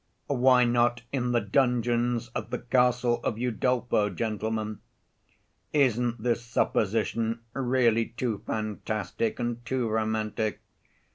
Why not in the dungeons of the castle of Udolpho, gentlemen? Isn't this supposition really too fantastic and too romantic?